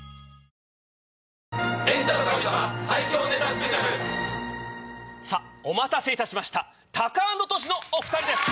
この後お待たせいたしましたタカアンドトシのお２人です。